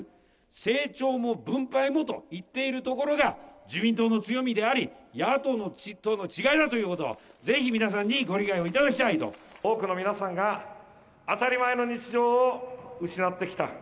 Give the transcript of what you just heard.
成長も分配もと言っているところが、自民党の強みであり、野党との違いだということを、ぜひ皆さんにご理解をいただきた多くの皆さんが当たり前の日常を失ってきた。